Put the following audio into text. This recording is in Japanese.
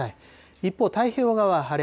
一方、太平洋側は晴れ。